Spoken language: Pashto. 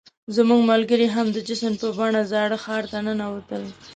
زموږ ملګري هم د جشن په بڼه زاړه ښار ته ننوتل.